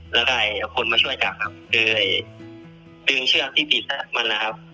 แล้วก็เอาคนมาช่วยจับครับดึงเชือกที่ติดมันนะครับ